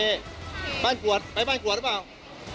บ้านกรวดไปบ้านกรวดหรือเปล่า